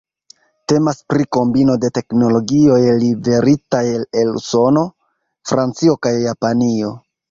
Temas pri kombino de teknologioj liveritaj el Usono, Francio kaj Japanio.